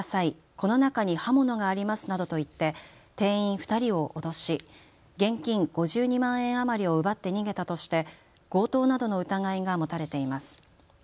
この中に刃物がありますなどと言って店員２人を脅し現金５２万円余りを奪って逃げたとして強盗などの疑いが持たれています。